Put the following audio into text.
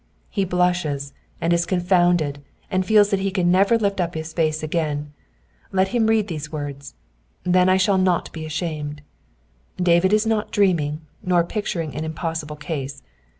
He blushes, and is 'Confounded, and feels that he can never lift up his face again. Let him read these words: Then shall I not be ashamed.^* David is not dreaming, nor picturing an impossible case.